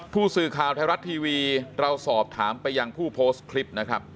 ผู้สื่อข่าวไทยรัฐทีวีเราสอบถามไปยังผู้โพสต์คลิปนะครับ